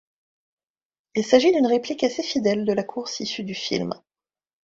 Il s'agit d'une réplique assez fidèle de la course issue du film.